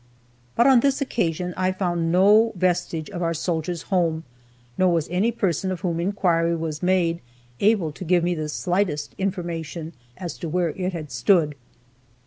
But on this occasion I found no vestige of our "Soldiers' Home," nor was any person of whom inquiry was made able to give me the slightest information as to where it had stood.